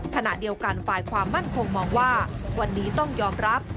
ขณะเดียวกันฝ่ายความมั่นคงมองว่าวันนี้ต้องยอมรับ